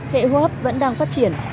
hệ hô hấp vẫn đang phát triển